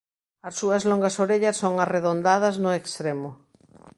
As súas longas orellas son arredondadas no extremo.